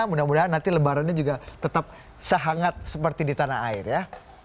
mudah mudahan nanti lebarannya juga tetap sehangat seperti di tanah air ya